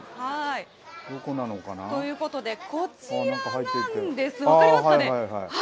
ということで、こちらなんです、分かりますかね。